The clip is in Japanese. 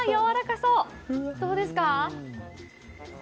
どうですか？